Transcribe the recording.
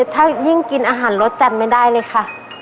ถ้ายิ่งกินอาหารรสจัดไม่ได้เลยค่ะ